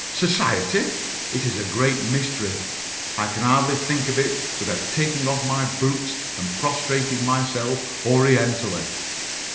Society? It is a great mystery. I can hardly think of it without taking off my boots and prostrating myself orientally.